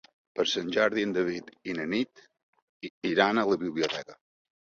Per Sant Jordi en David i na Nit iran a la biblioteca.